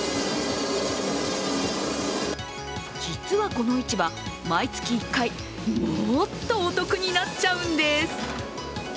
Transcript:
実はこの市場、毎月１回、もっとお得になっちゃうんです。